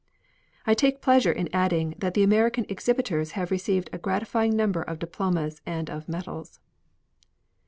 I take pleasure in adding that the American exhibitors have received a gratifying number of diplomas and of medals.